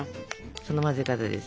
その混ぜ方です。